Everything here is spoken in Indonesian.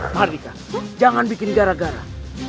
mahardika jangan bikin gara gara